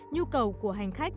nhu cầu của hành khách